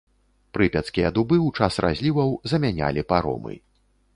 Прыпяцкія дубы ў час разліваў замянялі паромы.